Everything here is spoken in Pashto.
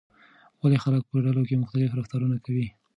ولې خلک په ډلو کې مختلف رفتارونه کوي؟